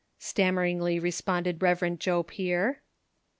stammeringly responded Kev. Joe Pier.